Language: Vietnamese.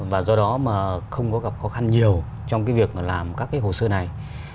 và do đó mà không có gặp khó khăn nhiều trong cái việc làm các cái hồ sơ này